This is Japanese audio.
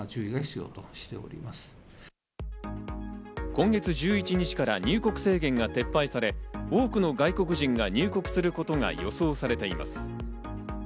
今月１１日から入国制限が撤廃され、多くの外国人が入国することが予想されています。